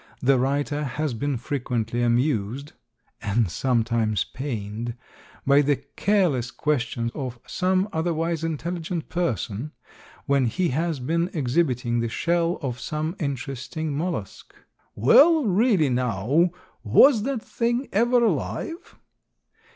The writer has been frequently amused (and sometimes pained) by the careless question of some otherwise intelligent person, when he has been exhibiting the shell of some interesting mollusk, "Well, really, now, was that thing ever alive?"